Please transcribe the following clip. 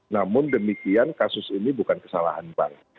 namun demikian kasus ini bukan kesalahan bank